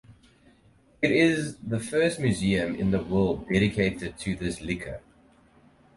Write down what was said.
It is the first museum in the world dedicated to this liquor.